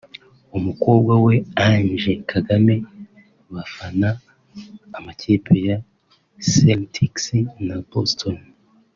umukobwa we Ange Kagame bafana amakipe ya Celtics na Boston